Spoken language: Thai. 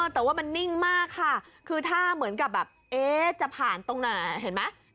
แต่ว่ามันนิ่งมากค่ะคือถ้าเหมือนกับแบบเอ๊ะจะผ่านตรงไหนเห็นไหม